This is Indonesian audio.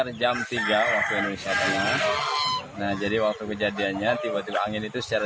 rejam tiga waktu wisatanya nah jadi waktu kejadiannya tiba tiba angin itu secara